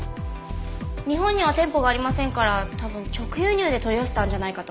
日本には店舗がありませんから多分直輸入で取り寄せたんじゃないかと。